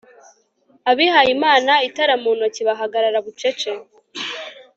Abihayimana itara mu ntoki bahagarara bucece